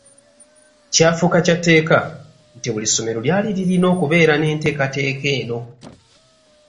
Kyafuuka kya tteeka nti buli ssomero lyali lirina okubeera n’enteekateeka eno.